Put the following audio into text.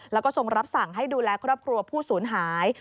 แล้วก็ทรงรับสั่งให้ดูแลครอบครัวผู้สูญหาย